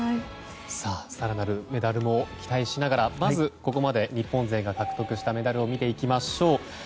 更なるメダルも期待しながらここまで日本勢が獲得したメダルを見ていきましょう。